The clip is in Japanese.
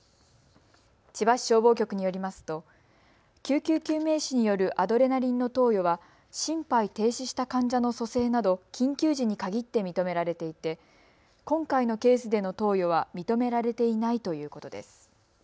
千葉市消防局によりますと救急救命士によるアドレナリンの投与は心肺停止した患者の蘇生など緊急時に限って認められていて今回のケースでの投与は認められていないということです。